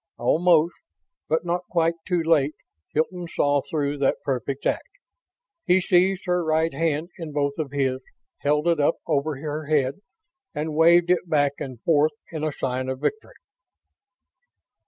Almost but not quite too late Hilton saw through that perfect act. He seized her right hand in both of his, held it up over her head, and waved it back and forth in the sign of victory.